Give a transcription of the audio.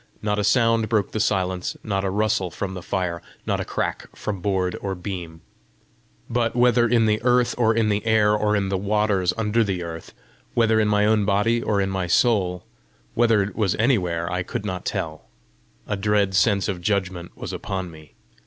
Not a sound broke the silence, not a rustle from the fire, not a crack from board or beam. Now and again I felt a sort of heave, but whether in the earth or in the air or in the waters under the earth, whether in my own body or in my soul whether it was anywhere, I could not tell. A dread sense of judgment was upon me.